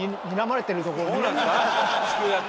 そうなんですか？